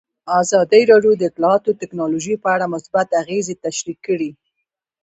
ازادي راډیو د اطلاعاتی تکنالوژي په اړه مثبت اغېزې تشریح کړي.